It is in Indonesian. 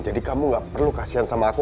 jadi kamu gak perlu kasihan sama aku